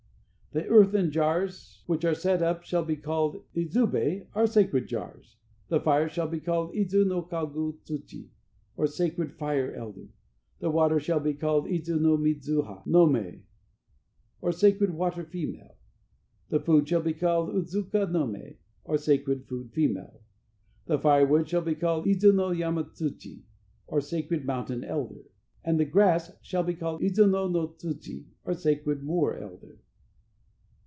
The earthen jars which are set up shall be called the Idzube or sacred jars, the fire shall be called Idzu no Kagu tsuchi or sacred fire elder, the water shall be called Idzu no Midzu ha no me or sacred water female, the food shall be called Idzuuka no me, or sacred food female, the firewood shall be called Idzu no Yama tsuchi or sacred mountain elder, and the grass shall be called Idzu no no tsuchi or sacred moor elder."